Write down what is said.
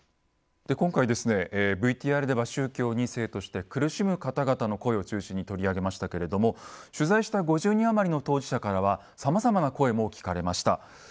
今回ですねＶＴＲでは宗教２世として苦しむ方々の声を中心に取り上げましたけれども取材した５０人余りの当事者からはさまざまな声も聞かれました。